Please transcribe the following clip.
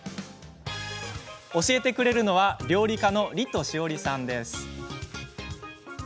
教えてくれるのは料理家のリト史織さんです。